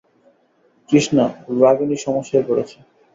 কৃষ্ণা, রাগিনী সমস্যায় পড়েছে।